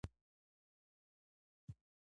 عطرونه د انسان د یادګار برخه ګرځي.